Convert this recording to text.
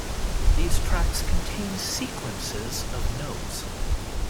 These tracks contain sequences of notes.